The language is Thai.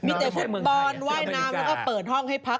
มีแต่ฟุตบอลว่ายน้ำแล้วก็เปิดห้องให้พัก